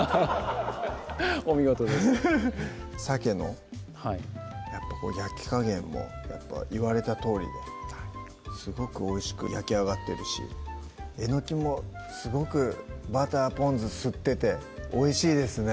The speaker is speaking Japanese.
お見事ですさけのやっぱこう焼き加減もやっぱ言われたとおりですごくおいしく焼き上がってるしえのきもすごくバターぽん酢吸ってておいしいですね